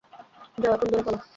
যাও এখন, দৌড়ে পালাও!